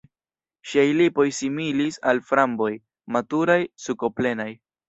Ŝiaj lipoj similis al framboj, maturaj, sukoplenaj.